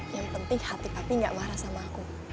yang penting hati hati gak marah sama aku